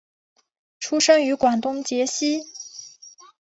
出生于广东揭西。